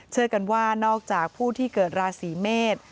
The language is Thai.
เชื่อกันว่านอกจากผู้ที่เกิดราศีเมษ